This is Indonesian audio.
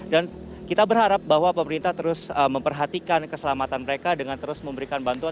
dan kita berharap bahwa pemerintah terus memperhatikan keselamatan mereka dengan terus memberikan bantuan